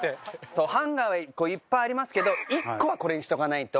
そうハンガーはいっぱいありますけど１個はこれにしとかないと。